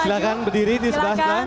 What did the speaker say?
belakang berdiri di sebelah sana